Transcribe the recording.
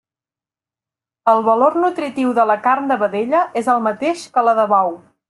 El valor nutritiu de la carn de vedella és el mateix que la de bou.